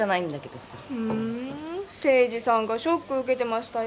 ふん誠治さんがショック受けてましたよ。